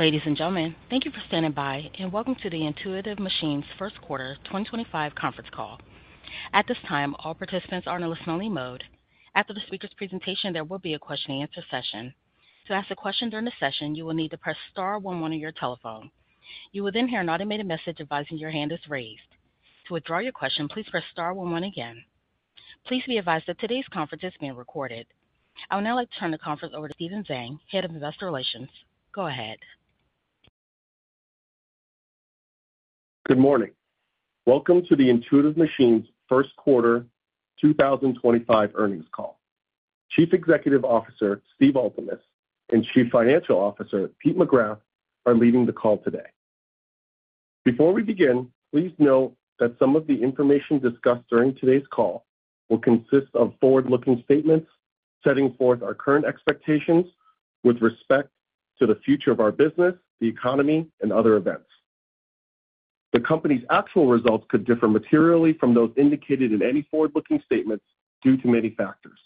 Ladies and gentlemen, thank you for standing by, and welcome to the Intuitive Machines First Quarter 2025 Conference Call. At this time, all participants are in a listen-only mode. After the speaker's presentation, there will be a question-and-answer session. To ask a question during the session, you will need to press star one one on your telephone. You will then hear an automated message advising your hand is raised. To withdraw your question, please press star one one again. Please be advised that today's conference is being recorded. I would now like to turn the conference over to Stephen Zhang, Head of Investor Relations. Go ahead. Good morning. Welcome to the Intuitive Machines First Quarter 2025 Earnings all. Chief Executive Officer Steve Altemus and Chief Financial Officer Pete McGrath are leading the call today. Before we begin, please note that some of the information discussed during today's call will consist of forward-looking statements setting forth our current expectations with respect to the future of our business, the economy, and other events. The company's actual results could differ materially from those indicated in any forward-looking statements due to many factors.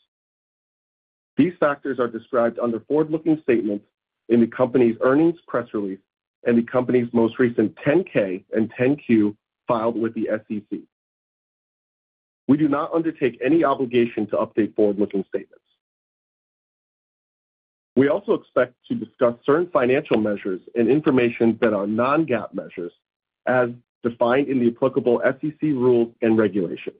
These factors are described under forward-looking statements in the company's earnings press release and the company's most recent 10-K and 10-Q filed with the SEC. We do not undertake any obligation to update forward-looking statements. We also expect to discuss certain financial measures and information that are non-GAAP measures, as defined in the applicable SEC rules and regulations.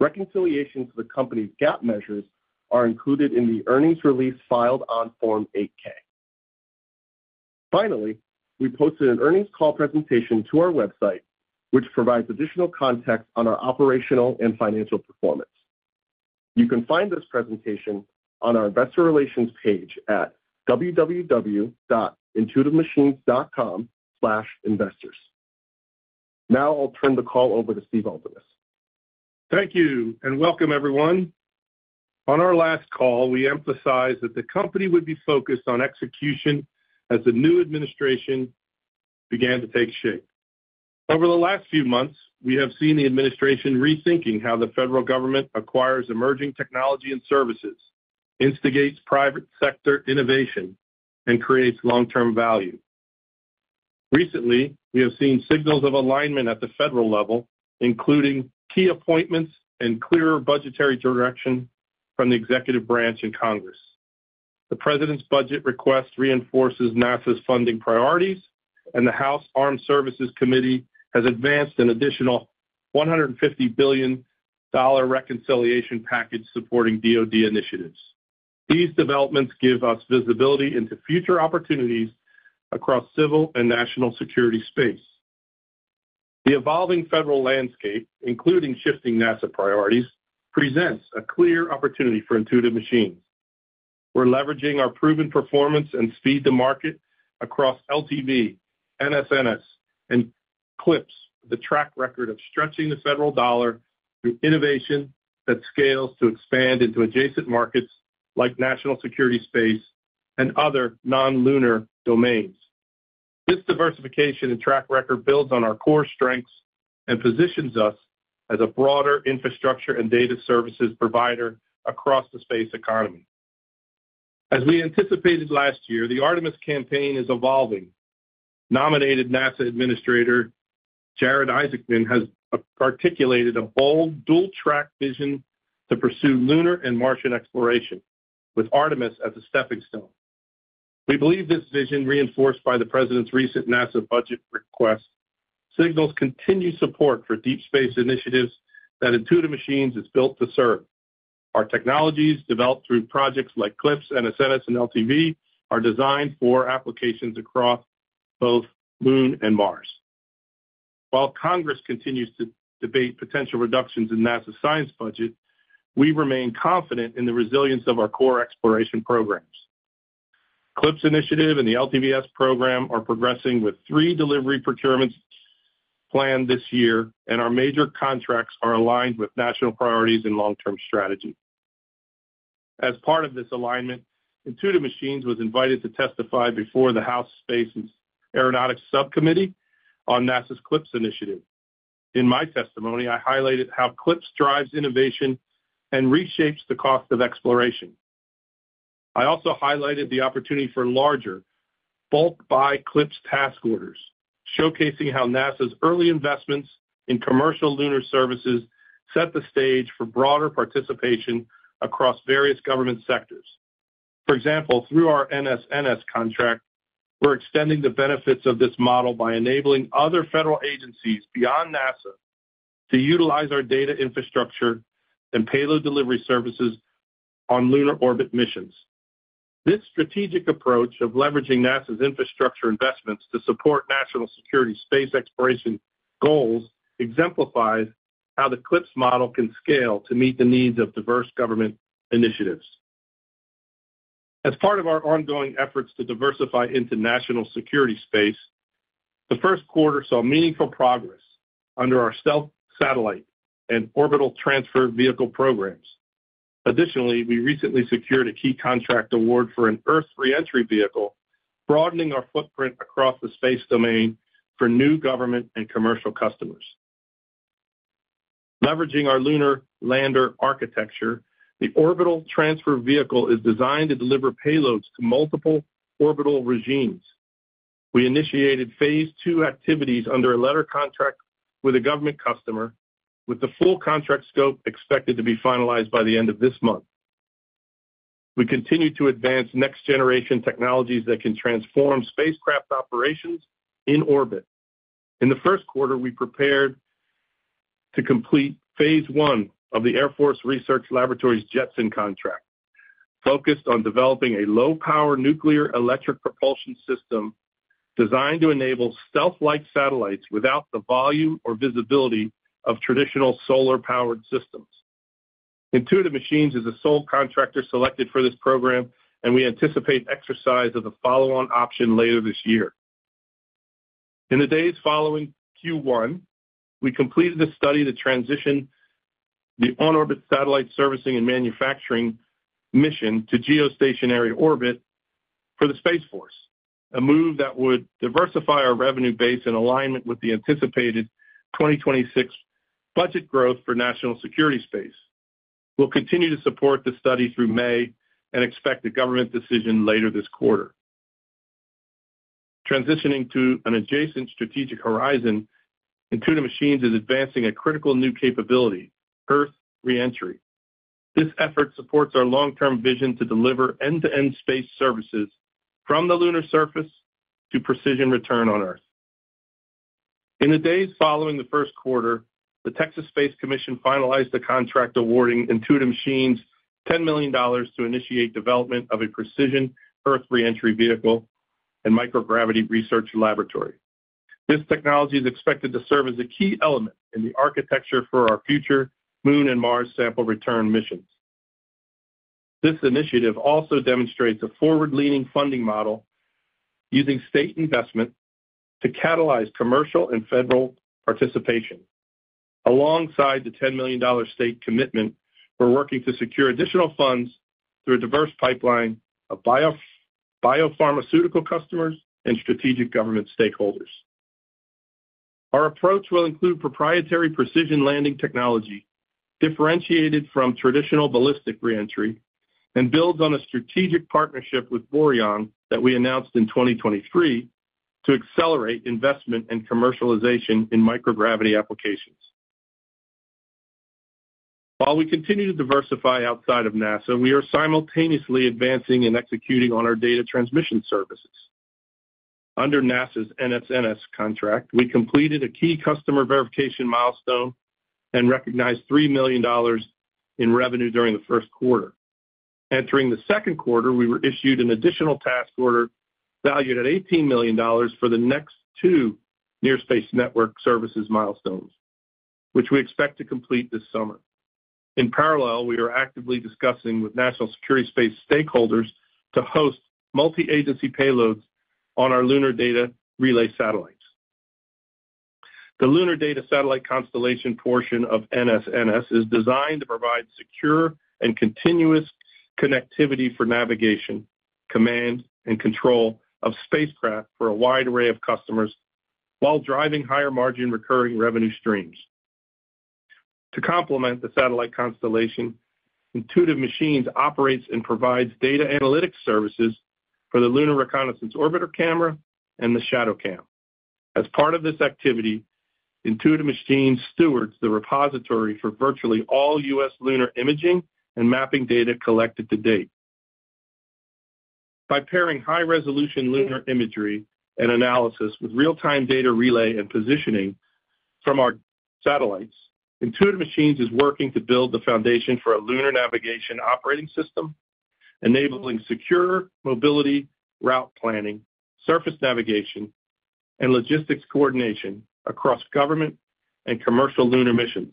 Reconciliations to the company's GAAP measures are included in the earnings release filed on Form 8-K. Finally, we posted an earnings call presentation to our website, which provides additional context on our operational and financial performance. You can find this presentation on our Investor Relations page at www.intuitivemachines.com/investors. Now I'll turn the call over to Steve Altemus. Thank you and welcome, everyone. On our last call, we emphasized that the company would be focused on execution as the new administration began to take shape. Over the last few months, we have seen the administration rethinking how the federal government acquires emerging technology and services, instigates private sector innovation, and creates long-term value. Recently, we have seen signals of alignment at the federal level, including key appointments and clearer budgetary direction from the executive branch and Congress. The president's budget request reinforces NASA's funding priorities, and the House Armed Services Committee has advanced an additional $150 billion reconciliation package supporting DoD initiatives. These developments give us visibility into future opportunities across civil and national security space. The evolving federal landscape, including shifting NASA priorities, presents a clear opportunity for Intuitive Machines. We're leveraging our proven performance and speed to market across LTV, NSNS, and cliips the track record of stretching the federal dollar through innovation that scales to expand into adjacent markets like national security space and other non-lunar domains. This diversification and track record builds on our core strengths and positions us as a broader infrastructure and data services provider across the space economy. As we anticipated last year, the Artemis campaign is evolving. Nominated NASA Administrator, Jared Isaacman has articulated a bold dual-track vision to pursue lunar and Martian exploration, with Artemis as a stepping stone. We believe this vision, reinforced by the president's recent NASA budget request, signals continued support for deep space initiatives that Intuitive Machines is built to serve. Our technologies, developed through projects like CLPS, NSNS, and LTV, are designed for applications across both Moon and Mars. While Congress continues to debate potential reductions in NASA's science budget, we remain confident in the resilience of our core exploration programs. CLPS initiative and the LTVS program are progressing with three delivery procurements planned this year, and our major contracts are aligned with national priorities and long-term strategy. As part of this alignment, Intuitive Machines was invited to testify before the House Space and Aeronautics Subcommittee on NASA's CLPS initiative. In my testimony, I highlighted how CLPS drives innovation and reshapes the cost of exploration. I also highlighted the opportunity for larger bulk-buy CLPS task orders, showcasing how NASA's early investments in commercial lunar services set the stage for broader participation across various government sectors. For example, through our NSNS contract, we're extending the benefits of this model by enabling other federal agencies beyond NASA to utilize our data infrastructure and payload delivery services on lunar orbit missions. This strategic approach of leveraging NASA's infrastructure investments to support national security space exploration goals exemplifies how the CLPS model can scale to meet the needs of diverse government initiatives. As part of our ongoing efforts to diversify into national security space, the first quarter saw meaningful progress under our stealth satellite and orbital transfer vehicle programs. Additionally, we recently secured a key contract award for an Earth re-entry vehicle, broadening our footprint across the space domain for new government and commercial customers. Leveraging our lunar lander architecture, the orbital transfer vehicle is designed to deliver payloads to multiple orbital regimes. We initiated phase two activities under a letter contract with a government customer, with the full contract scope expected to be finalized by the end of this month. We continue to advance next-generation technologies that can transform spacecraft operations in orbit. In the first quarter, we prepared to complete phase one of the Air Force Research Laboratory's JETSON contract, focused on developing a low-power nuclear electric propulsion system designed to enable stealth-like satellites without the volume or visibility of traditional solar-powered systems. Intuitive Machines is the sole contractor selected for this program, and we anticipate exercise of the follow-on option later this year. In the days following Q1, we completed a study to transition the on-orbit satellite servicing and manufacturing mission to geostationary orbit for the Space Force, a move that would diversify our revenue base in alignment with the anticipated 2026 budget growth for national security space. We'll continue to support the study through May and expect a government decision later this quarter. Transitioning to an adjacent strategic horizon, Intuitive Machines is advancing a critical new capability, Earth re-entry. This effort supports our long-term vision to deliver end-to-end space services from the lunar surface to precision return on Earth. In the days following the first quarter, the Texas Space Commission finalized the contract awarding Intuitive Machines $10 million to initiate development of a precision Earth re-entry vehicle and microgravity research laboratory. This technology is expected to serve as a key element in the architecture for our future Moon and Mars sample return missions. This initiative also demonstrates a forward-leaning funding model using state investment to catalyze commercial and federal participation. Alongside the $10 million state commitment, we're working to secure additional funds through a diverse pipeline of biopharmaceutical customers and strategic government stakeholders. Our approach will include proprietary precision landing technology differentiated from traditional ballistic re-entry and builds on a strategic partnership with Boeing that we announced in 2023 to accelerate investment and commercialization in microgravity applications. While we continue to diversify outside of NASA, we are simultaneously advancing and executing on our data transmission services. Under NASA's NSNS contract, we completed a key customer verification milestone and recognized $3 million in revenue during the first quarter. Entering the second quarter, we were issued an additional task order valued at $18 million for the next two near-space network services milestones, which we expect to complete this summer. In parallel, we are actively discussing with national security space stakeholders to host multi-agency payloads on our lunar data relay satellites. The lunar data satellite constellation portion of NSNS is designed to provide secure and continuous connectivity for navigation, command, and control of spacecraft for a wide array of customers while driving higher margin recurring revenue streams. To complement the satellite constellation, Intuitive Machines operates and provides data analytics services for the Lunar Reconnaissance Orbiter Camera and the ShadowCam. As part of this activity, Intuitive Machines stewards the repository for virtually all U.S. lunar imaging and mapping data collected to date. By pairing high-resolution lunar imagery and analysis with real-time data relay and positioning from our satellites, Intuitive Machines is working to build the foundation for a lunar navigation operating system, enabling secure mobility, route planning, surface navigation, and logistics coordination across government and commercial lunar missions.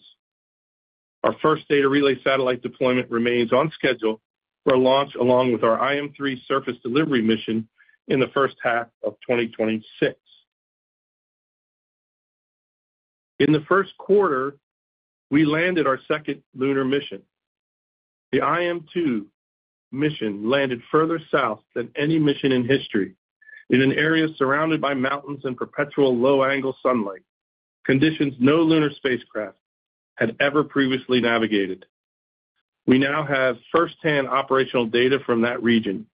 Our first data relay satellite deployment remains on schedule for launch along with our IM-3 surface delivery mission in the first half of 2026. In the first quarter, we landed our second lunar mission. The IM-2 mission landed further south than any mission in history in an area surrounded by mountains and perpetual low-angle sunlight, conditions no lunar spacecraft had ever previously navigated. We now have firsthand operational data from that region,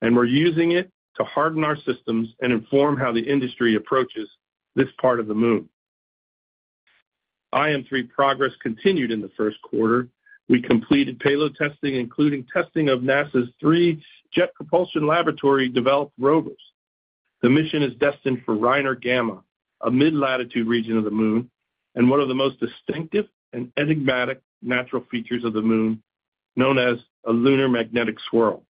and we're using it to harden our systems and inform how the industry approaches this part of the Moon. IM-3 progress continued in the first quarter. We completed payload testing, including testing of NASA's 3 Jet Propulsion Laboratory-developed rovers. The mission is destined for Reiner Gamma, a mid-latitude region of the Moon and one of the most distinctive and enigmatic natural features of the Moon, known as a lunar magnetic swirl.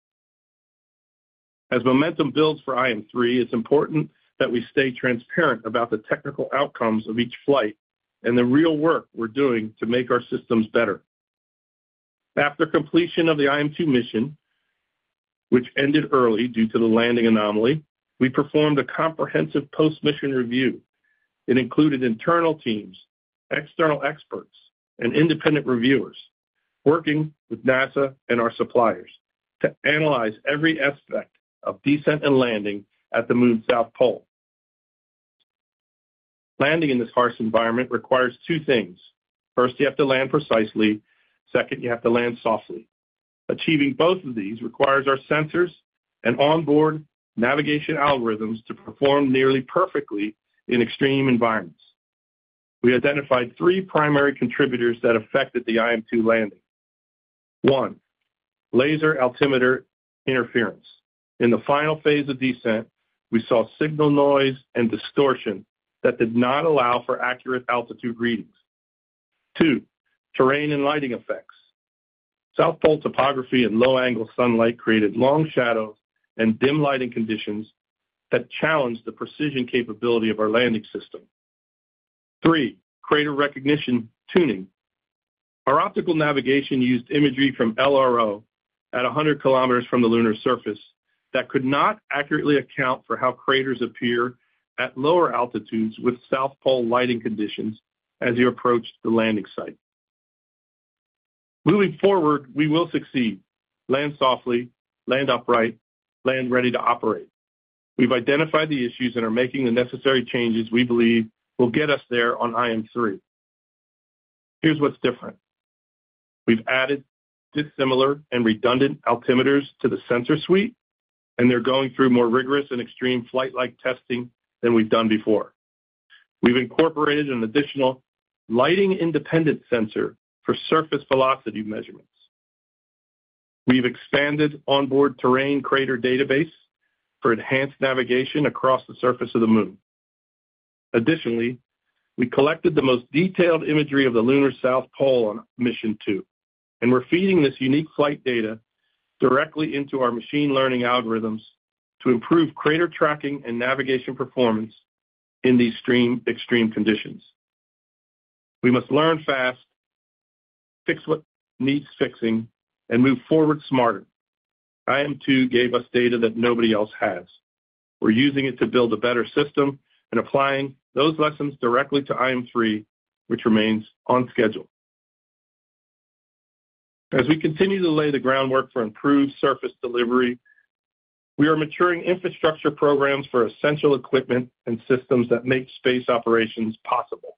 As momentum builds for IM-3, it's important that we stay transparent about the technical outcomes of each flight and the real work we're doing to make our systems better. After completion of the IM-2 mission, which ended early due to the landing anomaly, we performed a comprehensive post-mission review. It included internal teams, external experts, and independent reviewers working with NASA and our suppliers to analyze every aspect of descent and landing at the Moon's south pole. Landing in this harsh environment requires two things. First, you have to land precisely. Second, you have to land softly. Achieving both of these requires our sensors and onboard navigation algorithms to perform nearly perfectly in extreme environments. We identified three primary contributors that affected the IM-2 landing. One, laser altimeter interference. In the final phase of descent, we saw signal noise and distortion that did not allow for accurate altitude readings. Two, terrain and lighting effects. South pole topography and low-angle sunlight created long shadows and dim lighting conditions that challenged the precision capability of our landing system. Three, crater recognition tuning. Our optical navigation used imagery from LRO at 100 kilometers from the lunar surface that could not accurately account for how craters appear at lower altitudes with south pole lighting conditions as you approach the landing site. Moving forward, we will succeed. Land softly, land upright, land ready to operate. We've identified the issues and are making the necessary changes we believe will get us there on IM-3. Here's what's different. We've added dissimilar and redundant altimeters to the sensor suite, and they're going through more rigorous and extreme flight-like testing than we've done before. We've incorporated an additional lighting-independent sensor for surface velocity measurements. We've expanded onboard terrain crater database for enhanced navigation across the surface of the Moon. Additionally, we collected the most detailed imagery of the lunar south pole on Mission 2, and we're feeding this unique flight data directly into our machine learning algorithms to improve crater tracking and navigation performance in these extreme conditions. We must learn fast, fix what needs fixing, and move forward smarter. IM-2 gave us data that nobody else has. We're using it to build a better system and applying those lessons directly to IM-3, which remains on schedule. As we continue to lay the groundwork for improved surface delivery, we are maturing infrastructure programs for essential equipment and systems that make space operations possible.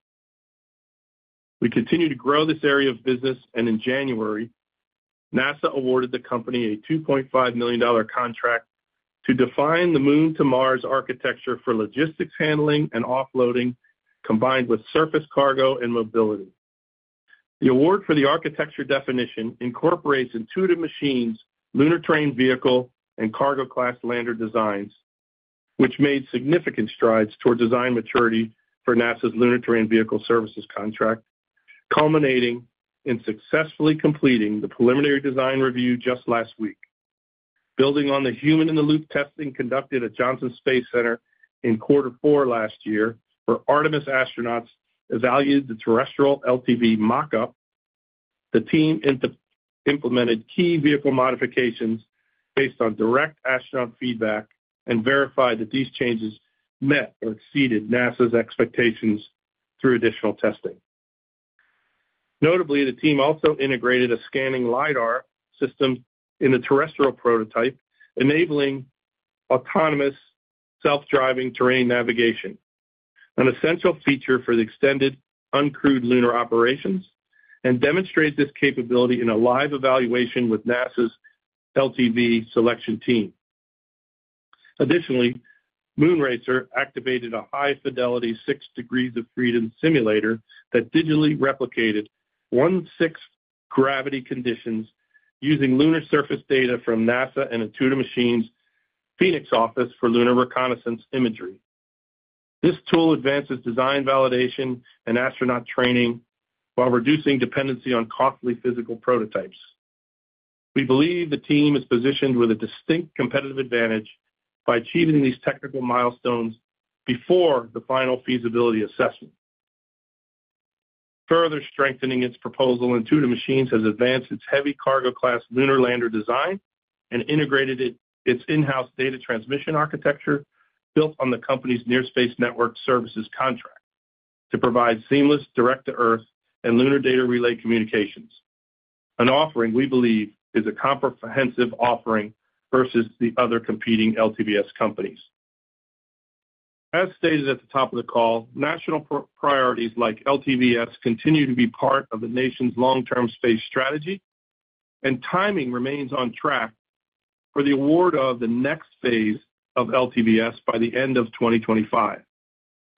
We continue to grow this area of business, and in January, NASA awarded the company a $2.5 million contract to define the Moon to Mars architecture for logistics handling and offloading, combined with surface cargo and mobility. The award for the architecture definition incorporates Intuitive Machines' lunar terrain vehicle and cargo-class lander designs, which made significant strides toward design maturity for NASA's lunar terrain vehicle services contract, culminating in successfully completing the preliminary design review just last week. Building on the human-in-the-loop testing conducted at Johnson Space Center in quarter four last year where Artemis astronauts evaluated the terrestrial LTV mockup, the team implemented key vehicle modifications based on direct astronaut feedback and verified that these changes met or exceeded NASA's expectations through additional testing. Notably, the team also integrated a scanning lidar system in the terrestrial prototype, enabling autonomous self-driving terrain navigation, an essential feature for the extended uncrewed lunar operations, and demonstrated this capability in a live evaluation with NASA's LTV selection team. Additionally, Moon Racer activated a high-fidelity six degrees of freedom simulator that digitally replicated one-sixth gravity conditions using lunar surface data from NASA and Intuitive Machines' Phoenix office for lunar reconnaissance imagery. This tool advances design validation and astronaut training while reducing dependency on costly physical prototypes. We believe the team is positioned with a distinct competitive advantage by achieving these technical milestones before the final feasibility assessment. Further strengthening its proposal, Intuitive Machines has advanced its heavy cargo-class lunar lander design and integrated its in-house data transmission architecture built on the company's Near Space Network Services contract to provide seamless direct-to-Earth and lunar data relay communications, an offering we believe is a comprehensive offering versus the other competing LTVS companies. As stated at the top of the call, national priorities like LTVS continue to be part of the nation's long-term space strategy, and timing remains on track for the award of the next phase of LTVS by the end of 2025.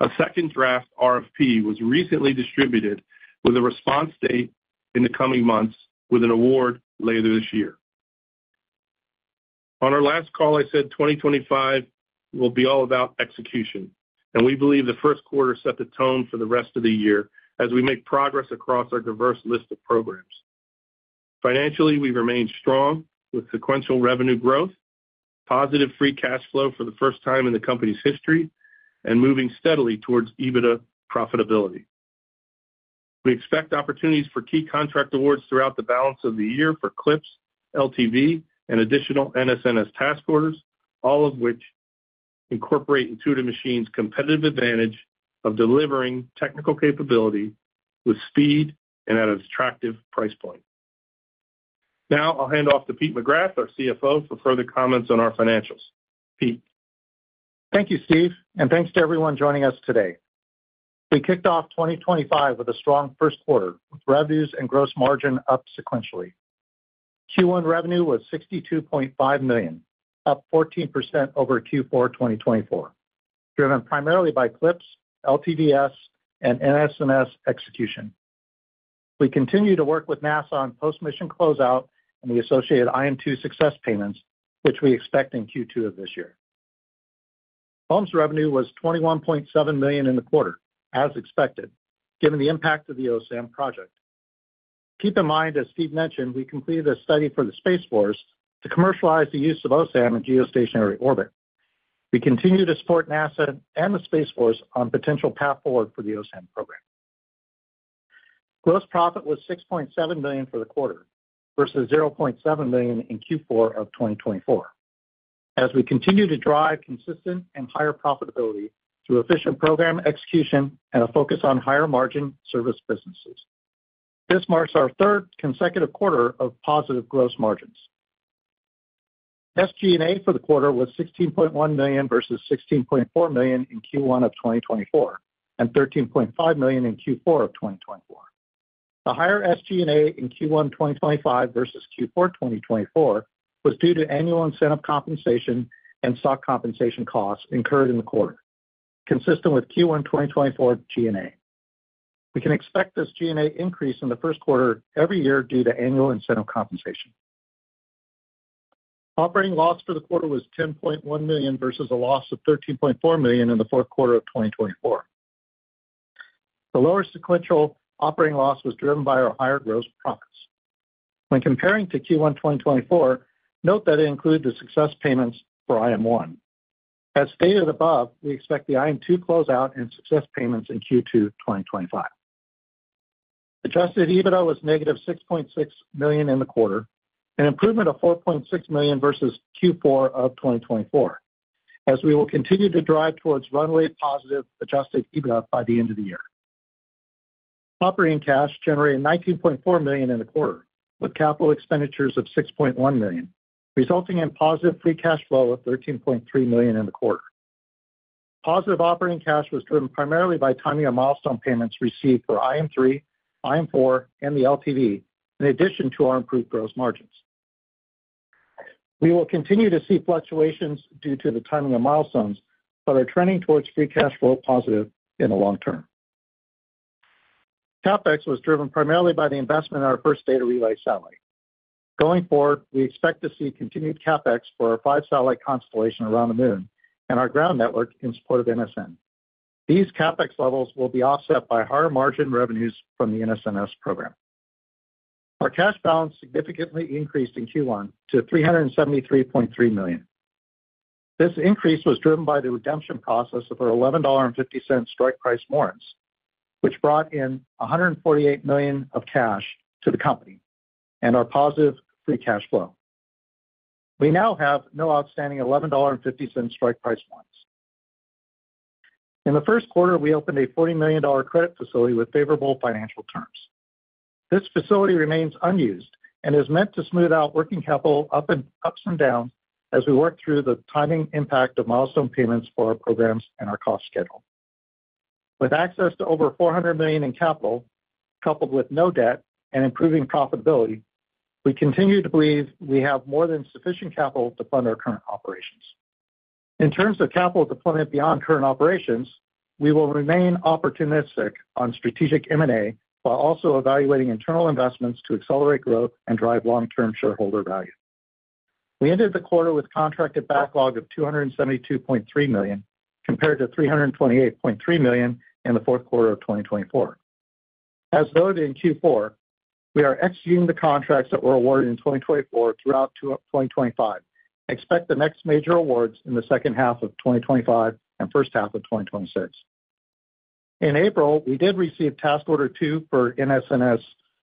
A second draft RFP was recently distributed with a response date in the coming months with an award later this year. On our last call, I said 2025 will be all about execution, and we believe the first quarter set the tone for the rest of the year as we make progress across our diverse list of programs. Financially, we remain strong with sequential revenue growth, positive free cash flow for the first time in the company's history, and moving steadily towards EBITDA profitability. We expect opportunities for key contract awards throughout the balance of the year for CLPS, LTV, and additional NSNS task orders, all of which incorporate Intuitive Machines' competitive advantage of delivering technical capability with speed and at an attractive price point. Now, I'll hand off to Pete McGrath, our CFO, for further comments on our financials. Pete. Thank you, Steve, and thanks to everyone joining us today. We kicked off 2025 with a strong first quarter, with revenues and gross margin up sequentially. Q1 revenue was $62.5 million, up 14% over Q4 2024, driven primarily by CLPS, LTVS, and NSNS execution. We continue to work with NASA on post-mission closeout and the associated IM-2 success payments, which we expect in Q2 of this year. Homes revenue was $21.7 million in the quarter, as expected, given the impact of the OSAM project. Keep in mind, as Steve mentioned, we completed a study for the Space Force to commercialize the use of OSAM in geostationary orbit. We continue to support NASA and the Space Force on potential path forward for the OSAM program. Gross profit was $6.7 million for the quarter versus $0.7 million in Q4 of 2024, as we continue to drive consistent and higher profitability through efficient program execution and a focus on higher-margin service businesses. This marks our third consecutive quarter of positive gross margins. SG&A for the quarter was $16.1 million versus $16.4 million in Q1 of 2024 and $13.5 million in Q4 of 2024. The higher SG&A in Q1 2025 versus Q4 2024 was due to annual incentive compensation and stock compensation costs incurred in the quarter, consistent with Q1 2024 G&A. We can expect this G&A increase in the first quarter every year due to annual incentive compensation. Operating loss for the quarter was $10.1 million versus a loss of $13.4 million in the fourth quarter of 2024. The lower sequential operating loss was driven by our higher gross profits. When comparing to Q1 2024, note that it included the success payments for IM-1. As stated above, we expect the IM-2 closeout and success payments in Q2 2025. Adjusted EBITDA was negative $6.6 million in the quarter, an improvement of $4.6 million versus Q4 of 2024, as we will continue to drive towards runway-positive adjusted EBITDA by the end of the year. Operating cash generated $19.4 million in the quarter, with capital expenditures of $6.1 million, resulting in positive free cash flow of $13.3 million in the quarter. Positive operating cash was driven primarily by timing of milestone payments received for IM-3, IM-4, and the LTV, in addition to our improved gross margins. We will continue to see fluctuations due to the timing of milestones, but are trending towards free cash flow positive in the long term. CapEx was driven primarily by the investment in our first data relay satellite. Going forward, we expect to see continued CapEx for our five-satellite constellation around the Moon and our ground network in support of NSNS. These CapEx levels will be offset by higher margin revenues from the NSNS program. Our cash balance significantly increased in Q1 to $373.3 million. This increase was driven by the redemption process of our $11.50 strike price warrants, which brought in $148 million of cash to the company and our positive free cash flow. We now have no outstanding $11.50 strike price warrants. In the first quarter, we opened a $40 million credit facility with favorable financial terms. This facility remains unused and is meant to smooth out working capital ups and downs as we work through the timing impact of milestone payments for our programs and our cost schedule. With access to over $400 million in capital, coupled with no debt and improving profitability, we continue to believe we have more than sufficient capital to fund our current operations. In terms of capital deployment beyond current operations, we will remain opportunistic on strategic M&A while also evaluating internal investments to accelerate growth and drive long-term shareholder value. We ended the quarter with contracted backlog of $272.3 million compared to $328.3 million in the fourth quarter of 2024. As noted in Q4, we are executing the contracts that were awarded in 2024 throughout 2025. Expect the next major awards in the second half of 2025 and first half of 2026. In April, we did receive Task Order 2 for NSNS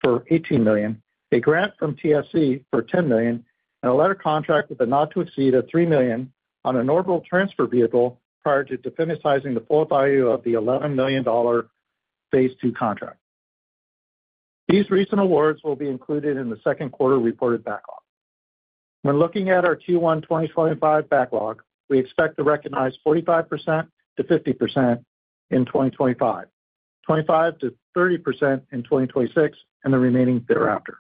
for $18 million, a grant from TSC for $10 million, and a letter contract with a not to exceed of $3 million on an orbital transfer vehicle prior to finalizing the full value of the $11 million phase two contract. These recent awards will be included in the second quarter reported backlog. When looking at our Q1 2025 backlog, we expect to recognize 45%-50% in 2025, 25%-30% in 2026, and the remaining thereafter.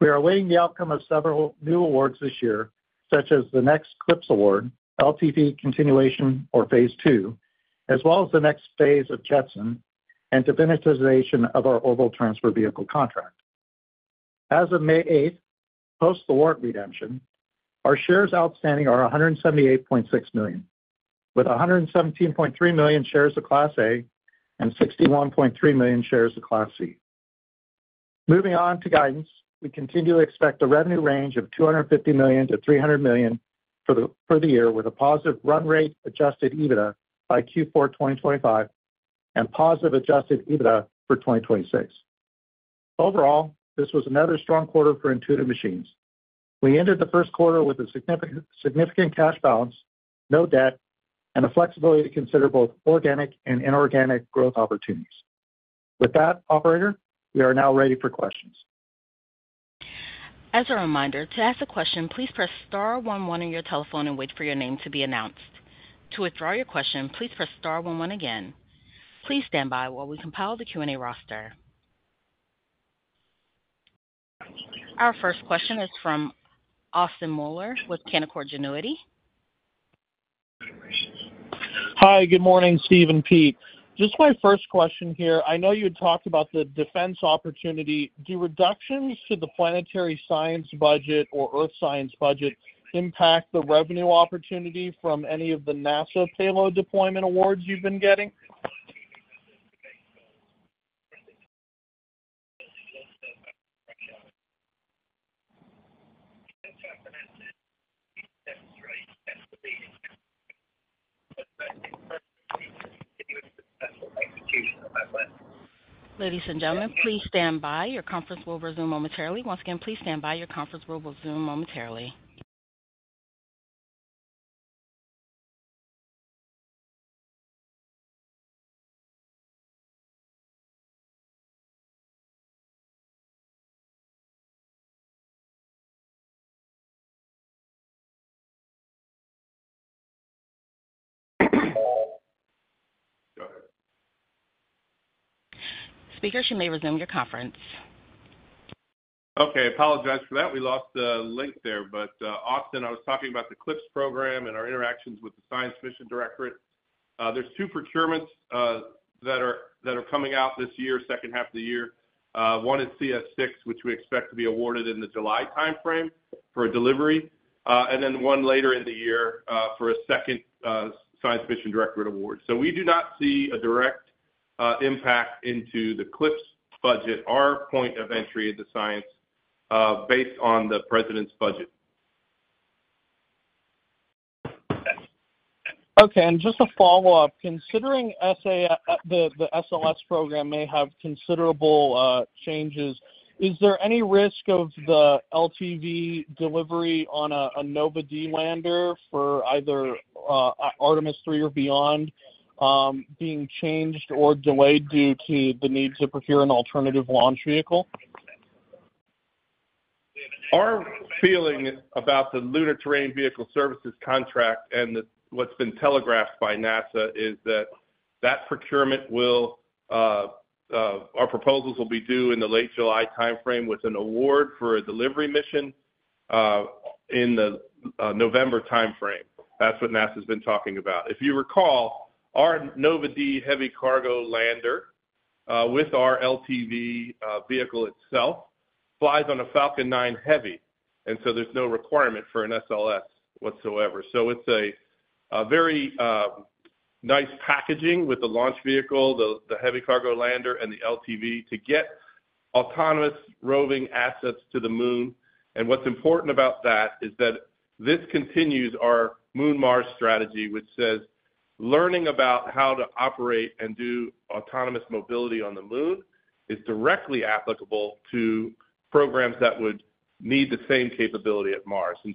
We are awaiting the outcome of several new awards this year, such as the next CLPS award, LTV continuation or phase two, as well as the next phase of Jetson and finalization of our orbital transfer vehicle contract. As of May 8th, post-award redemption, our shares outstanding are $178.6 million, with $117.3 million shares of Class A and $61.3 million shares of Class C. Moving on to guidance, we continue to expect a revenue range of $250 million-$300 million for the year, with a positive run rate adjusted EBITDA by Q4 2025 and positive adjusted EBITDA for 2026. Overall, this was another strong quarter for Intuitive Machines. We ended the first quarter with a significant cash balance, no debt, and a flexibility to consider both organic and inorganic growth opportunities. With that, Operator, we are now ready for questions. As a reminder, to ask a question, please press star one one on your telephone and wait for your name to be announced. To withdraw your question, please press star one one again. Please stand by while we compile the Q&A roster. Our first question is from Austin Moeller with Canaccord Genuity. Hi, good morning, Steve and Pete. Just my first question here. I know you had talked about the defense opportunity. Do reductions to the planetary science budget or earth science budget impact the revenue opportunity from any of the NASA payload deployment awards you've been getting? Ladies and gentlemen, please stand by. Your conference will resume momentarily. Once again, please stand by. Your conference will resume momentarily. Speaker, she may resume your conference. Okay, apologize for that. We lost the link there. But Austin, I was talking about the CLPS program and our interactions with the Science Mission Directorate. There's two procurements that are coming out this year, second half of the year. One is CS6, which we expect to be awarded in the July timeframe for a delivery, and then one later in the year for a second Science Mission Directorate award. We do not see a direct impact into the CLPS budget, our point of entry into science, based on the president's budget. Okay, and just a follow-up. Considering the SLS program may have considerable changes, is there any risk of the LTV delivery on a Nova-D lander for either Artemis 3 or beyond being changed or delayed due to the need to procure an alternative launch vehicle? Our feeling about the Lunar Terrain Vehicle Services contract and what's been telegraphed by NASA is that that procurement will—our proposals will be due in the late July timeframe with an award for a delivery mission in the November timeframe. That's what NASA's been talking about. If you recall, our Nova-D heavy cargo lander with our LTV vehicle itself flies on a Falcon 9 Heavy, and so there's no requirement for an SLS whatsoever. It is a very nice packaging with the launch vehicle, the heavy cargo lander, and the LTV to get autonomous roving assets to the Moon. What's important about that is that this continues our Moon-Mars strategy, which says learning about how to operate and do autonomous mobility on the Moon is directly applicable to programs that would need the same capability at Mars. We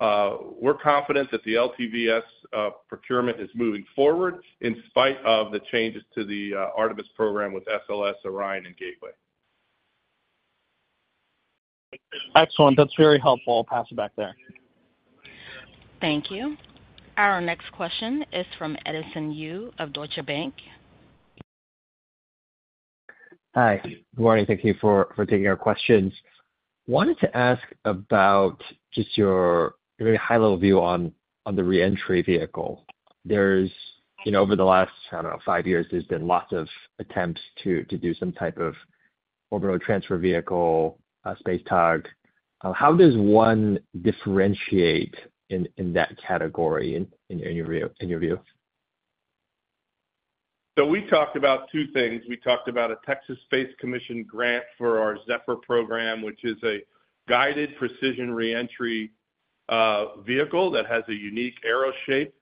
are confident that the LTVS procurement is moving forward in spite of the changes to the Artemis program with SLS, Orion, and Gateway. Excellent. That's very helpful. I'll pass it back there. Thank you. Our next question is from Edison Yu of Deutsche Bank. Hi, good morning. Thank you for taking our questions. I wanted to ask about just your very high-level view on the reentry vehicle. Over the last, I don't know, five years, there's been lots of attempts to do some type of orbital transfer vehicle, space tug. How does one differentiate in that category in your view? We talked about two things. We talked about a Texas Space Commission grant for our Zephyr program, which is a guided precision reentry vehicle that has a unique arrow shape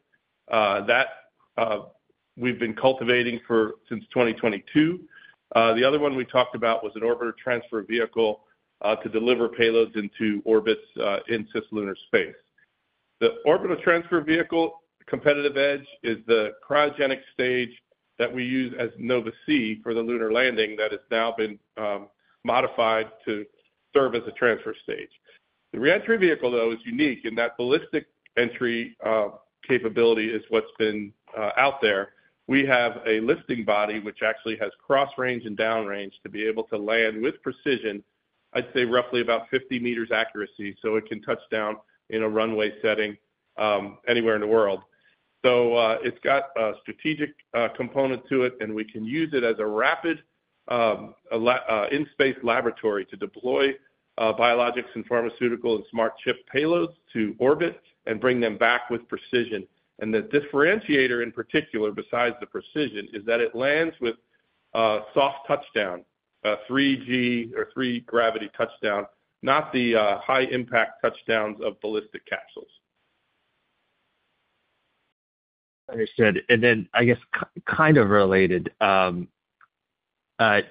that we've been cultivating since 2022. The other one we talked about was an orbital transfer vehicle to deliver payloads into orbits in cislunar space. The orbital transfer vehicle competitive edge is the cryogenic stage that we use as Nova-C for the lunar landing that has now been modified to serve as a transfer stage. The reentry vehicle, though, is unique in that ballistic entry capability is what's been out there. We have a lifting body which actually has cross range and down range to be able to land with precision, I'd say roughly about 50 meters accuracy, so it can touch down in a runway setting anywhere in the world. It has a strategic component to it, and we can use it as a rapid in-space laboratory to deploy biologics and pharmaceutical and smart chip payloads to orbit and bring them back with precision. The differentiator in particular, besides the precision, is that it lands with soft touchdown, 3G or 3 gravity touchdown, not the high-impact touchdowns of ballistic capsules. Understood. I guess, kind of related,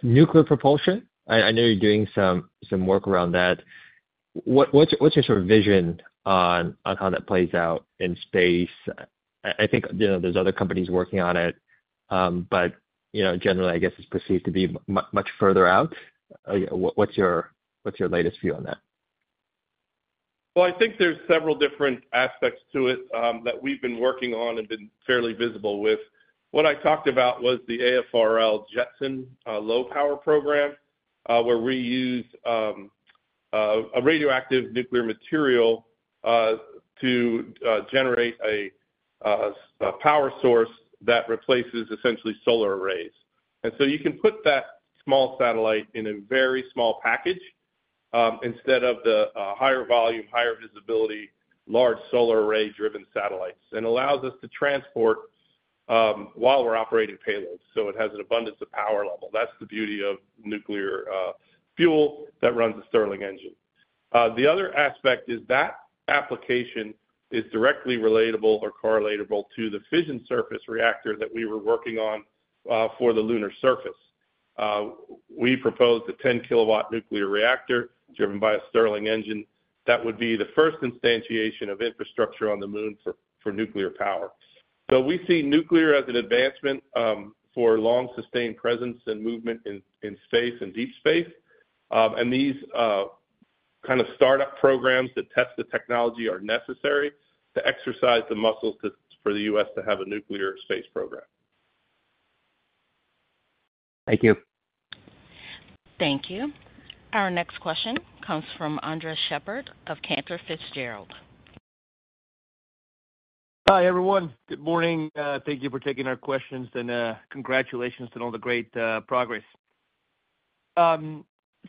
nuclear propulsion. I know you're doing some work around that. What's your sort of vision on how that plays out in space? I think there's other companies working on it, but generally, I guess, it's perceived to be much further out. What's your latest view on that? I think there's several different aspects to it that we've been working on and been fairly visible with. What I talked about was the AFRL JETSON low-power program, where we use a radioactive nuclear material to generate a power source that replaces essentially solar arrays. You can put that small satellite in a very small package instead of the higher volume, higher visibility, large solar array-driven satellites. It allows us to transport while we're operating payloads. It has an abundance of power level. That's the beauty of nuclear fuel that runs a Stirling engine. The other aspect is that application is directly relatable or correlatable to the fission surface reactor that we were working on for the lunar surface. We proposed a 10-kilowatt nuclear reactor driven by a stirling engine. That would be the first instantiation of infrastructure on the Moon for nuclear power. We see nuclear as an advancement for long-sustained presence and movement in space and deep space. These kind of startup programs that test the technology are necessary to exercise the muscles for the U.S. to have a nuclear space program. Thank you. Thank you. Our next question comes from Andres Sheppard of Cantor Fitzgerald. Hi, everyone. Good morning. Thank you for taking our questions. And congratulations on all the great progress.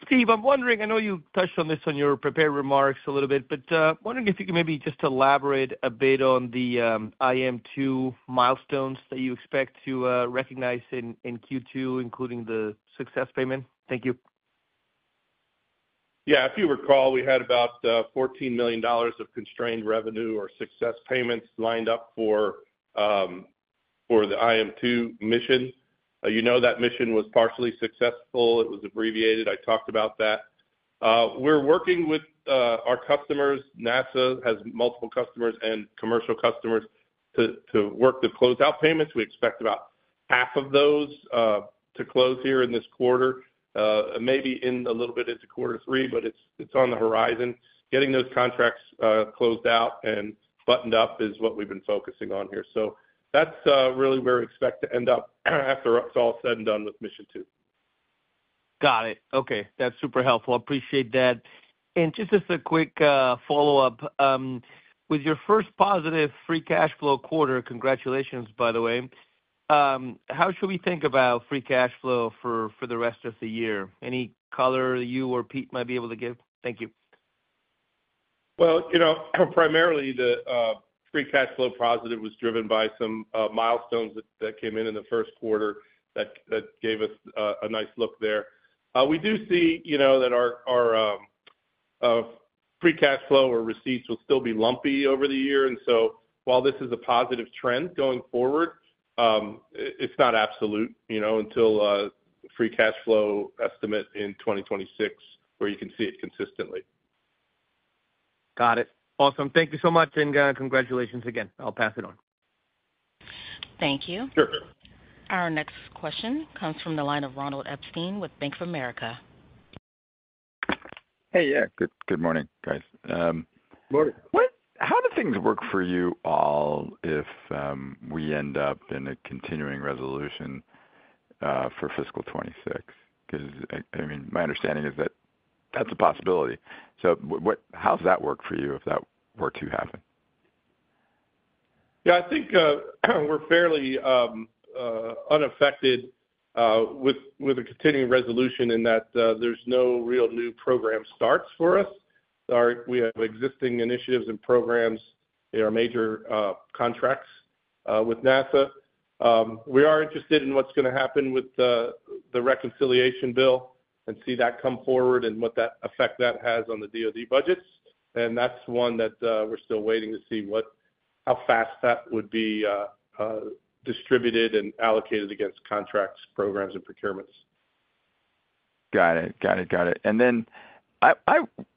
Steve, I'm wondering, I know you touched on this in your prepared remarks a little bit, but I'm wondering if you could maybe just elaborate a bit on the IM-2 milestones that you expect to recognize in Q2, including the success payment. Thank you. Yeah, if you recall, we had about $14 million of constrained revenue or success payments lined up for the IM-2 mission. You know that mission was partially successful. It was abbreviated. I talked about that. We're working with our customers. NASA has multiple customers and commercial customers to work to close out payments. We expect about half of those to close here in this quarter, maybe in a little bit into quarter three, but it's on the horizon. Getting those contracts closed out and buttoned up is what we've been focusing on here. That's really where we expect to end up after it's all said and done with mission two. Got it. Okay. That's super helpful. Appreciate that. Just as a quick follow-up, with your first positive free cash flow quarter, congratulations, by the way, how should we think about free cash flow for the rest of the year? Any color you or Pete might be able to give? Thank you. Primarily, the free cash flow positive was driven by some milestones that came in in the first quarter that gave us a nice look there. We do see that our free cash flow or receipts will still be lumpy over the year. While this is a positive trend going forward, it's not absolute until free cash flow estimate in 2026 where you can see it consistently. Got it. Awesome. Thank you so much. And congratulations again. I'll pass it on. Thank you. Sure. Our next question comes from the line of Ronald Epstein with Bank of America. Hey, yeah. Good morning, guys. Good morning. How do things work for you all if we end up in a continuing resolution for fiscal 2026? Because, I mean, my understanding is that that's a possibility. How does that work for you if that were to happen? Yeah, I think we're fairly unaffected with a continuing resolution in that there's no real new program starts for us. We have existing initiatives and programs in our major contracts with NASA. We are interested in what's going to happen with the reconciliation bill and see that come forward and what effect that has on the DoD budgets. That's one that we're still waiting to see how fast that would be distributed and allocated against contracts, programs, and procurements. Got it. Got it. Got it.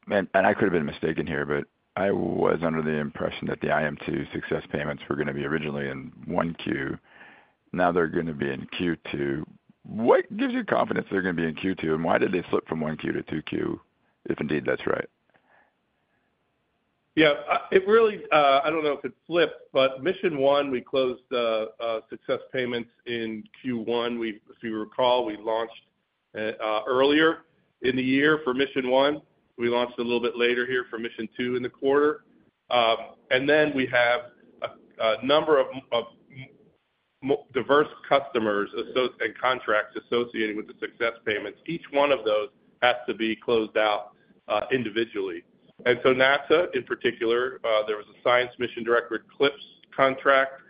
I could have been mistaken here, but I was under the impression that the IM-2 success payments were going to be originally in Q1. Now they're going to be in Q2. What gives you confidence they're going to be in Q2? And why did they slip from Q1 to Q2 if indeed that's right? Yeah. I don't know if it flipped, but mission one, we closed success payments in Q1. If you recall, we launched earlier in the year for mission one. We launched a little bit later here for mission two in the quarter. We have a number of diverse customers and contracts associated with the success payments. Each one of those has to be closed out individually. NASA, in particular, there was a Science Mission Directorate CLPS contract.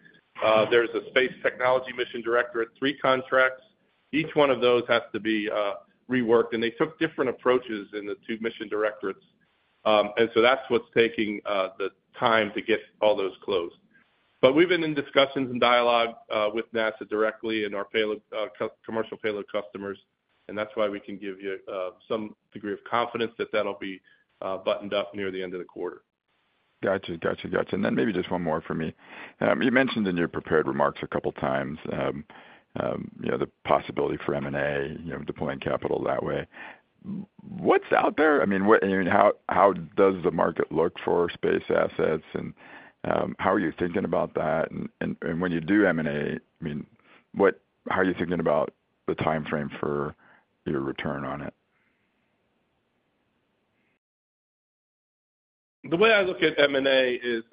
There's a Space Technology Mission Directorate three contracts. Each one of those has to be reworked. They took different approaches in the two mission directorates. That's what's taking the time to get all those closed. We've been in discussions and dialogue with NASA directly and our commercial payload customers. That's why we can give you some degree of confidence that that'll be buttoned up near the end of the quarter. Gotcha. Gotcha. Gotcha. Maybe just one more for me. You mentioned in your prepared remarks a couple of times the possibility for M&A, deploying capital that way. What's out there? I mean, how does the market look for space assets? How are you thinking about that? When you do M&A, I mean, how are you thinking about the timeframe for your return on it? The way I look at M&A is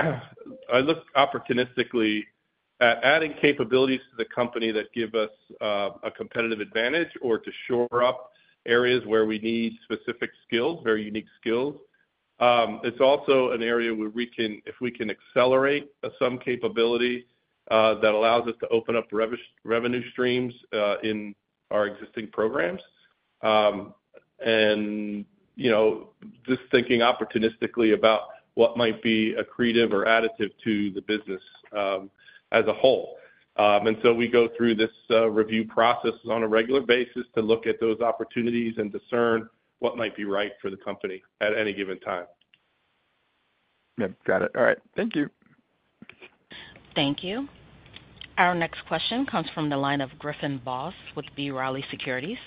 I look opportunistically at adding capabilities to the company that give us a competitive advantage or to shore up areas where we need specific skills, very unique skills. It's also an area where if we can accelerate some capability that allows us to open up revenue streams in our existing programs. Just thinking opportunistically about what might be accretive or additive to the business as a whole. We go through this review process on a regular basis to look at those opportunities and discern what might be right for the company at any given time. Got it. All right. Thank you. Thank you. Our next question comes from the line of Griffin Boss with B. Riley Securities.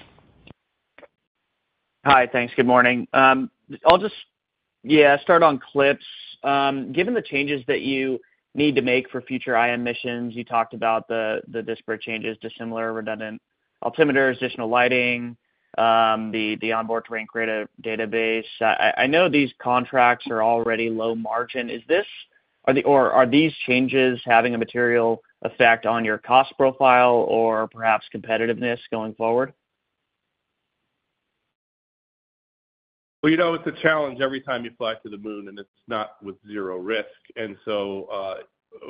Hi. Thanks. Good morning. I'll just, yeah, start on CLPS. Given the changes that you need to make for future IM missions, you talked about the disparate changes to similar redundant altimeters, additional lighting, the onboard terrain creator database. I know these contracts are already low margin. Are these changes having a material effect on your cost profile or perhaps competitiveness going forward? You know it's a challenge every time you fly to the Moon, and it's not with zero risk.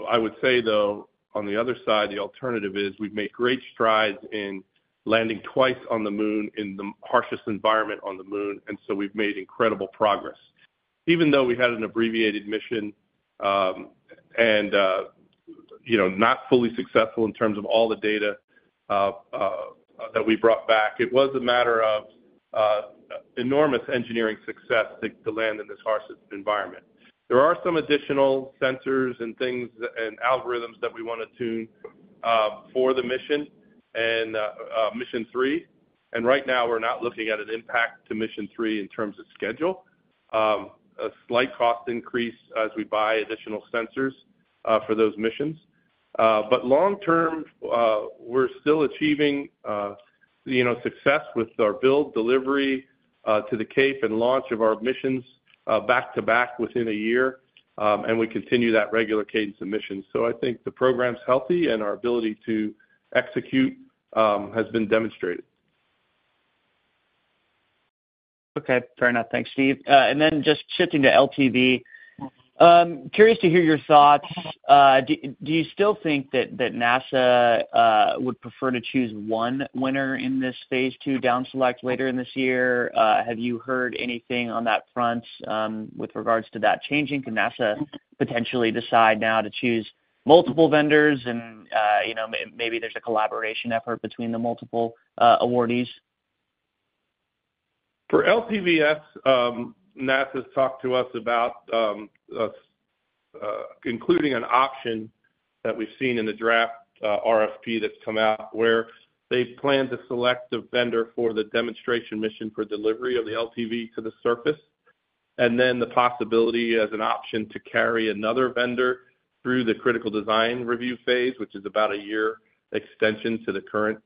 I would say, though, on the other side, the alternative is we've made great strides in landing twice on the Moon in the harshest environment on the Moon. We've made incredible progress. Even though we had an abbreviated mission and not fully successful in terms of all the data that we brought back, it was a matter of enormous engineering success to land in this harshest environment. There are some additional sensors and things and algorithms that we want to tune for the mission and mission three. Right now, we're not looking at an impact to mission three in terms of schedule, a slight cost increase as we buy additional sensors for those missions. Long term, we're still achieving success with our build delivery to the cape and launch of our missions back to back within a year. We continue that regular cadence of missions. I think the program's healthy and our ability to execute has been demonstrated. Okay. Fair enough. Thanks, Steve. Just shifting to LTV, curious to hear your thoughts. Do you still think that NASA would prefer to choose one winner in this phase two down select later in this year? Have you heard anything on that front with regards to that changing? Can NASA potentially decide now to choose multiple vendors? Maybe there's a collaboration effort between the multiple awardees. For LTVS, NASA has talked to us about including an option that we've seen in the draft RFP that's come out where they plan to select a vendor for the demonstration mission for delivery of the LTV to the surface. There is the possibility as an option to carry another vendor through the critical design review phase, which is about a year extension to the current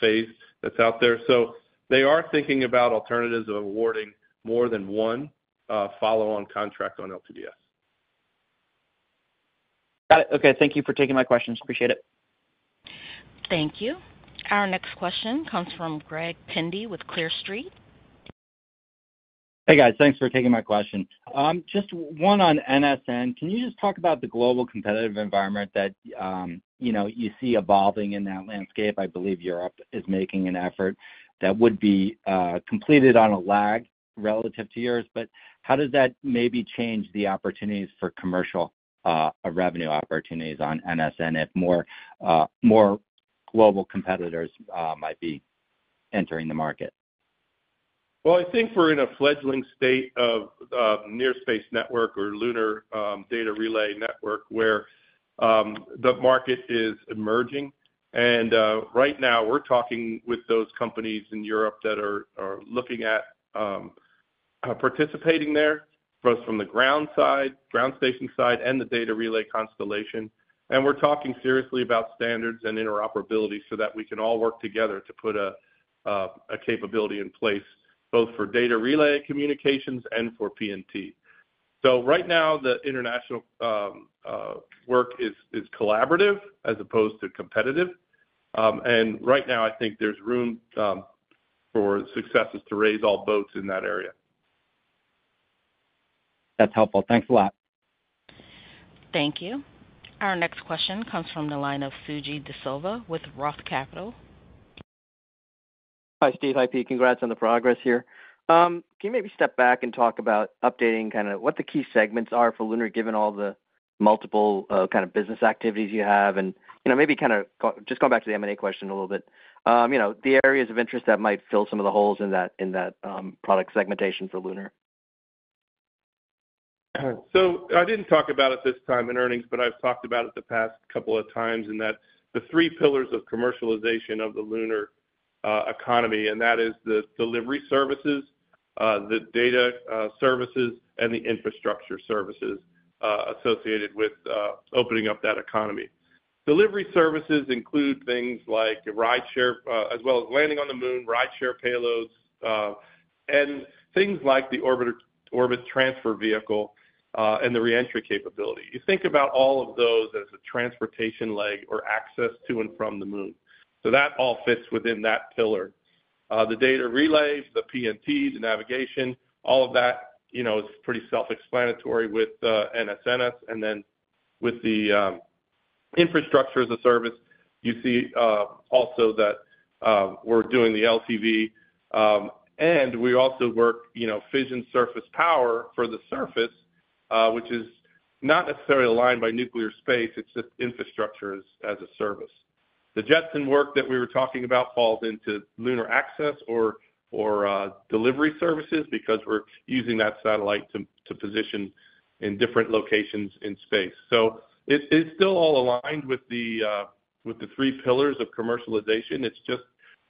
phase that's out there. They are thinking about alternatives of awarding more than one follow-on contract on LTVS. Got it. Okay. Thank you for taking my questions. Appreciate it. Thank you. Our next question comes from Greg Pendy with Clear Street. Hey, guys. Thanks for taking my question. Just one on NSNS. Can you just talk about the global competitive environment that you see evolving in that landscape? I believe Europe is making an effort that would be completed on a lag relative to yours. How does that maybe change the opportunities for commercial revenue opportunities on NSNS if more global competitors might be entering the market? I think we're in a fledgling state of near-space network or lunar data relay network where the market is emerging. Right now, we're talking with those companies in Europe that are looking at participating there both from the ground side, ground station side, and the data relay constellation. We're talking seriously about standards and interoperability so that we can all work together to put a capability in place both for data relay communications and for P&T. Right now, the international work is collaborative as opposed to competitive. Right now, I think there's room for successes to raise all boats in that area. That's helpful. Thanks a lot. Thank you. Our next question comes from the line of Suji Desilva with ROTH Capital. Hi, Steve. Hi, Pete. Congrats on the progress here. Can you maybe step back and talk about updating kind of what the key segments are for Lunar given all the multiple kind of business activities you have? Maybe kind of just going back to the M&A question a little bit, the areas of interest that might fill some of the holes in that product segmentation for Lunar. I did not talk about it this time in earnings, but I have talked about it the past couple of times in that the three pillars of commercialization of the lunar economy, and that is the delivery services, the data services, and the infrastructure services associated with opening up that economy. Delivery services include things like rideshare as well as landing on the Moon, rideshare payloads, and things like the orbit transfer vehicle and the re-entry capability. You think about all of those as a transportation leg or access to and from the Moon. That all fits within that pillar. The data relays, the P&T, the navigation, all of that is pretty self-explanatory with NSNS. With the infrastructure as a service, you see also that we are doing the LTV. We also work fission surface power for the surface, which is not necessarily aligned by nuclear space. It's just infrastructure as a service. The Jetson work that we were talking about falls into lunar access or delivery services because we're using that satellite to position in different locations in space. It's still all aligned with the three pillars of commercialization. It's just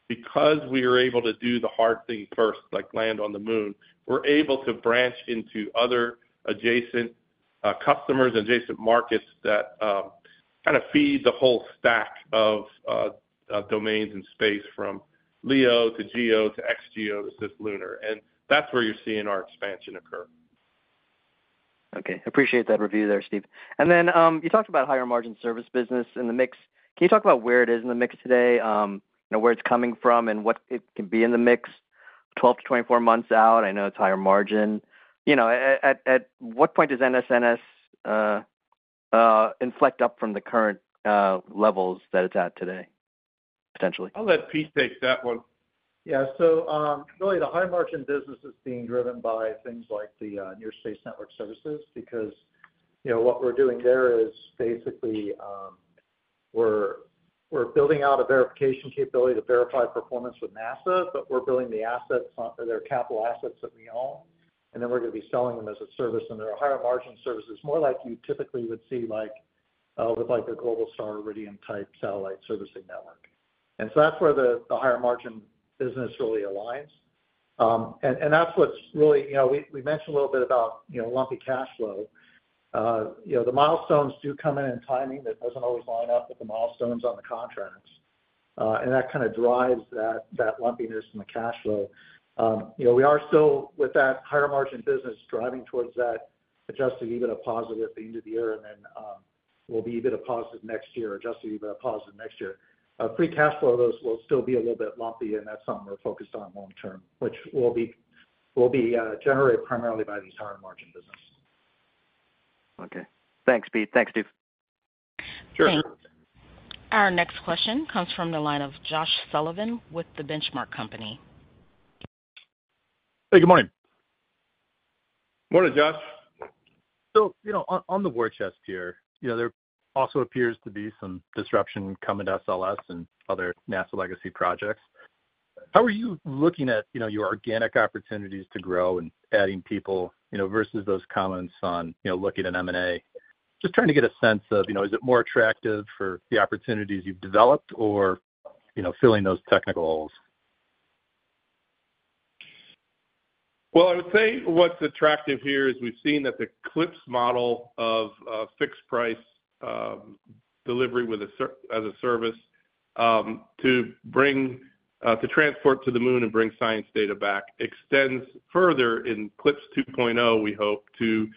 because we are able to do the hard thing first, like land on the Moon, we're able to branch into other adjacent customers and adjacent markets that kind of feed the whole stack of domains in space from LEO to GEO to ex-GEO to cislunar. That's where you're seeing our expansion occur. Okay. Appreciate that review there, Steve. Then you talked about higher margin service business in the mix. Can you talk about where it is in the mix today, where it's coming from, and what it can be in the mix 12 months-24 months out? I know it's higher margin. At what point does NSNS inflect up from the current levels that it's at today, potentially? I'll let Pete take that one. Yeah. Really, the high margin business is being driven by things like the near-space network services because what we're doing there is basically we're building out a verification capability to verify performance with NASA, but we're building the assets, they're capital assets that we own. Then we're going to be selling them as a service. They're higher margin services more like you typically would see with a Globalstar Iridium type satellite servicing network. That is where the higher margin business really aligns. That is what's really, we mentioned a little bit about lumpy cash flow. The milestones do come in in timing. That doesn't always line up with the milestones on the contracts. That kind of drives that lumpiness in the cash flow. We are still with that higher margin business driving towards that adjusted EBITDA positive at the end of the year. We will be EBITDA positive next year, adjusted EBITDA positive next year. Free cash flow, though, will still be a little bit lumpy. That is something we are focused on long term, which will be generated primarily by these higher margin businesses. Okay. Thanks, Pete. Thanks, Steve. Sure. Our next question comes from the line of Josh Sullivan with The Benchmark Company. Hey, good morning. Morning, Josh. On the war chest here, there also appears to be some disruption coming to SLS and other NASA legacy projects. How are you looking at your organic opportunities to grow and adding people versus those comments on looking at M&A? Just trying to get a sense of, is it more attractive for the opportunities you have developed or filling those technical holes? I would say what's attractive here is we've seen that the CLPS model of fixed price delivery as a service to transport to the Moon and bring science data back extends further in CLPS 2.0, we hope, to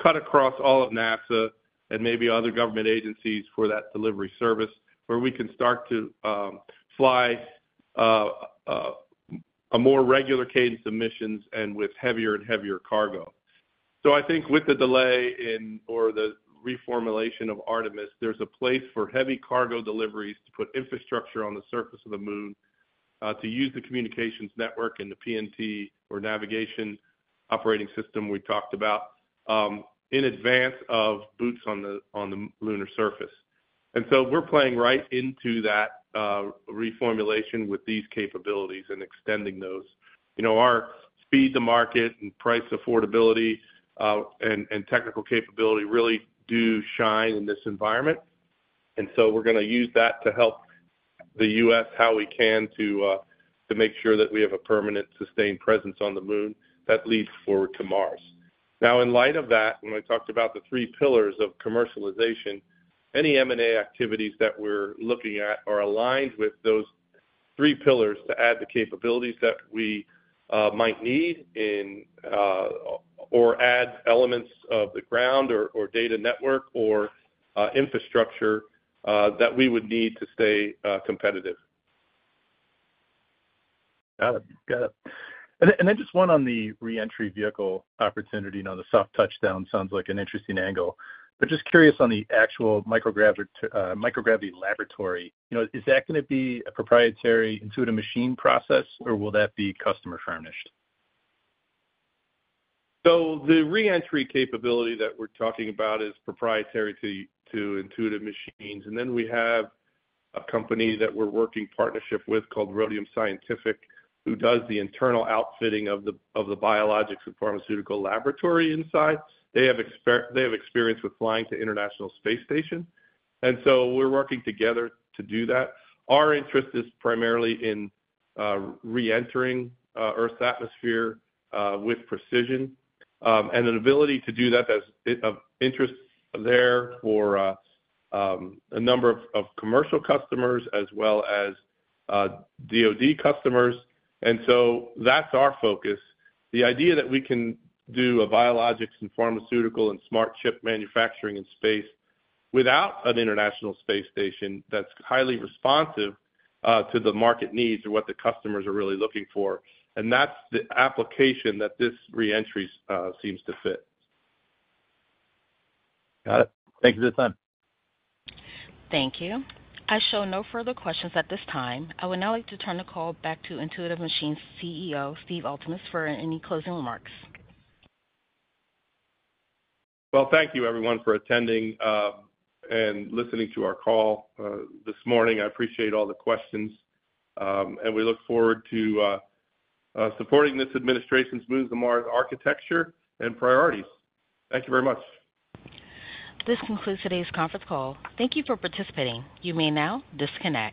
cut across all of NASA and maybe other government agencies for that delivery service where we can start to fly a more regular cadence of missions and with heavier and heavier cargo. I think with the delay or the reformulation of Artemis, there's a place for heavy cargo deliveries to put infrastructure on the surface of the Moon to use the communications network and the P&T or navigation operating system we talked about in advance of boots on the lunar surface. We are playing right into that reformulation with these capabilities and extending those. Our speed to market and price affordability and technical capability really do shine in this environment. We are going to use that to help the U.S. how we can to make sure that we have a permanent sustained presence on the Moon that leads forward to Mars. Now, in light of that, when I talked about the three pillars of commercialization, any M&A activities that we are looking at are aligned with those three pillars to add the capabilities that we might need or add elements of the ground or data network or infrastructure that we would need to stay competitive. Got it. Got it. One on the re-entry vehicle opportunity. The soft touchdown sounds like an interesting angle. Just curious on the actual microgravity laboratory. Is that going to be a proprietary Intuitive Machines process, or will that be customer-furnished? The re-entry capability that we're talking about is proprietary to Intuitive Machines. We have a company that we're working in partnership with called Rhodium Scientific, who does the internal outfitting of the biologics and pharmaceutical laboratory inside. They have experience with flying to the International Space Station. We are working together to do that. Our interest is primarily in re-entering Earth's atmosphere with precision. An ability to do that has interest there for a number of commercial customers as well as DoD customers. That is our focus. The idea that we can do biologics and pharmaceutical and smart chip manufacturing in space without an International Space Station that is highly responsive to the market needs or what the customers are really looking for, that is the application that this re-entry seems to fit. Got it. Thank you for the time. Thank you. I show no further questions at this time. I would now like to turn the call back to Intuitive Machines CEO, Steve Altemus, for any closing remarks. Thank you, everyone, for attending and listening to our call this morning. I appreciate all the questions. We look forward to supporting this administration's Moons to Mars architecture and priorities. Thank you very much. This concludes today's conference call. Thank you for participating. You may now disconnect.